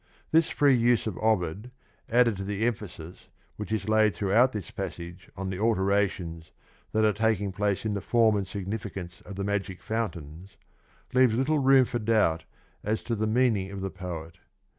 This free use of Ovid, added to the emphasis which is laid throughout this passage on the alterations that are taking place in the form and significance of the magic fountains, leaves little room for doubt as to the meaning of the poet.